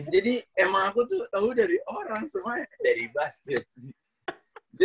jadi emang aku tuh tau dari orang semuanya dari bas dery